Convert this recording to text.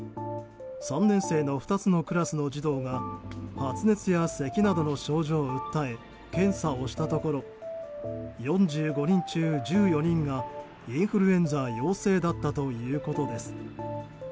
３年生の２つのクラスの児童が発熱やせきなどの症状を訴え検査をしたところ４５人中１４人がインフルエンザ陽性だったということです。